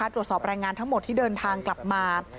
ตรวจสอบรายงานทั้งหมดที่เดินทางกลับมา